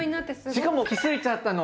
しかも気付いちゃったの。